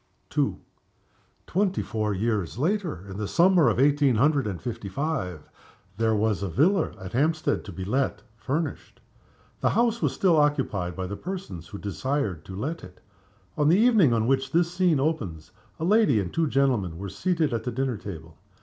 II. Twenty four years later in the summer of eighteen hundred and fifty five there was a villa at Hampstead to be let, furnished. The house was still occupied by the persons who desired to let it. On the evening on which this scene opens a lady and two gentlemen were seated at the dinner table.